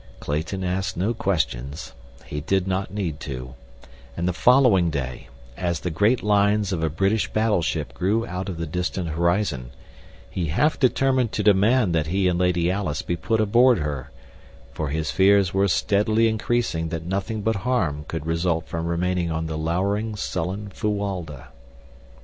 Clayton asked no questions—he did not need to—and the following day, as the great lines of a British battleship grew out of the distant horizon, he half determined to demand that he and Lady Alice be put aboard her, for his fears were steadily increasing that nothing but harm could result from remaining on the lowering, sullen Fuwalda.